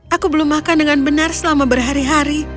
aku belum makan dengan benar selama berhari hari